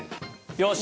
よし。